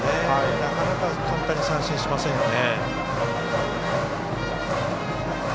なかなか簡単に三振しませんよね。